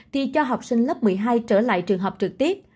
thì cho học sinh lớp một mươi hai trở lại trường học trực tiếp